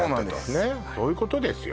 ねっそういうことですよ